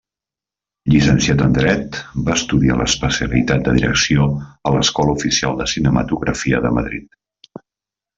Llicenciat en Dret, va estudiar l'especialitat de Direcció a l'Escola Oficial de Cinematografia de Madrid.